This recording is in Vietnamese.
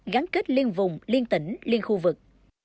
gắn kết liên vùng liên tỉnh liên khu vực